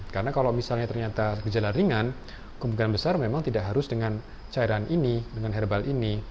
karena kalau misalnya ternyata gejala ringan kemungkinan besar memang tidak harus dengan cairan ini dengan herbal ini